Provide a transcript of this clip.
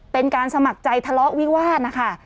เป็นการสมัครใจทะเลาะวิวาสนะคะ